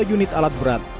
dua unit alat berat